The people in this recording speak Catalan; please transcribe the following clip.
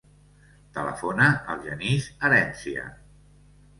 Telefona al Genís Herencia.